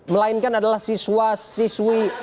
melainkan adalah siswa siswi